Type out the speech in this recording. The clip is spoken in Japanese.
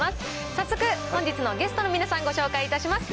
早速本日のゲストの皆さん、ご紹介いたします。